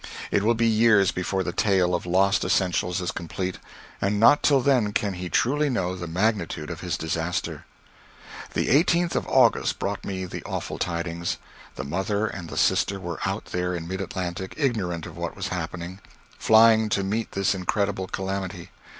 It will be years before the tale of lost essentials is complete, and not till then can he truly know the magnitude of his disaster. The 18th of August brought me the awful tidings. The mother and the sister were out there in mid Atlantic, ignorant of what was happening; flying to meet this incredible calamity.